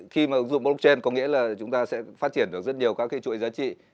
khi mà ứng dụng blockchain có nghĩa là chúng ta sẽ phát triển được rất nhiều các cái chuỗi giá trị